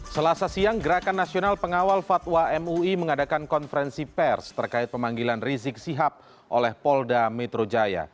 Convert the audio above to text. selasa siang gerakan nasional pengawal fatwa mui mengadakan konferensi pers terkait pemanggilan rizik sihab oleh polda metro jaya